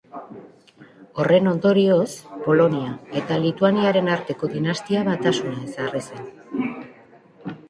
Horren ondorioz, Polonia eta Lituaniaren arteko dinastia batasuna ezarri zen.